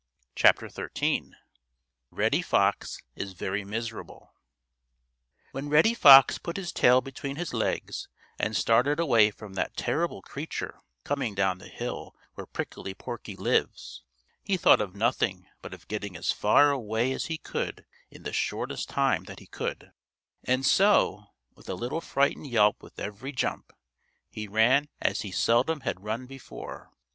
Page 69.] XIII REDDY FOX IS VERY MISERABLE When Reddy Fox put his tail between his legs and started away from that terrible creature coming down the hill where Prickly Porky lives, he thought of nothing but of getting as far away as he could in the shortest time that he could, and so, with a little frightened yelp with every jump, he ran as he seldom had run before.